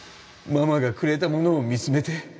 ママがくれたものを見つめて